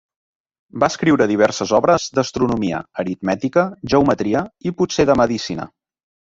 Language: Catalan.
Va escriure diverses obres d'astronomia, aritmètica, geometria, i potser de medicina.